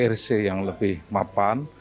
grc yang lebih mapan